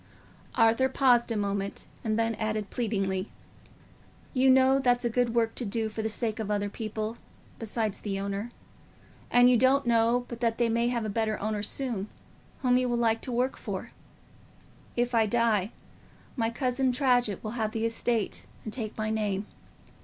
Arthur paused a moment and then added, pleadingly, "You know that's a good work to do for the sake of other people, besides the owner. And you don't know but that they may have a better owner soon, whom you will like to work for. If I die, my cousin Tradgett will have the estate and take my name.